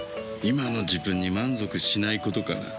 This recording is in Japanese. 今の自分に満足しないことかな。